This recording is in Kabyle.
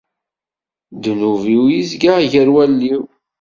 Ddnub-iw izga gar wallen-iw.